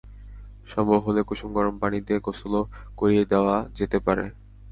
সম্ভব হলে কুসুম গরম পানি দিয়ে গোসলও করিয়ে দেওয়া যেতে পারে।